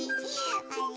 あれ？